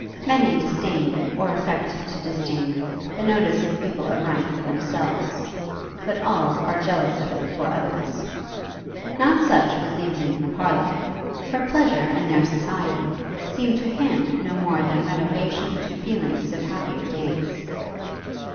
Many disdain, or affect to disdain, the notice of people of rank for themselves, but all are jealous of it for others. Not such was the opinion of Harleigh; her pleasure in their society seemed to him no more than renovation to feelings of happier days.